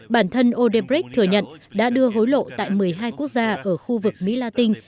bản thân odepric thừa nhận đã đưa hối lộ tại một mươi hai quốc gia ở khu vực mỹ la tinh